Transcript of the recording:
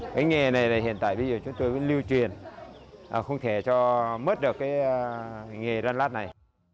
cái nghề này hiện tại bây giờ chúng tôi lưu truyền không thể cho mất được cái nghề đan lát này